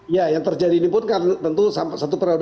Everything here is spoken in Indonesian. ya yang terjadi ini pun kan tentu satu periode